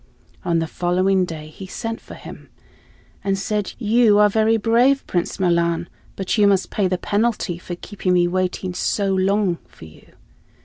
On the following day he sent for him and said; "You are very brave, Prince Milan, but you must pay the penalty for keeping me waiting so long for you.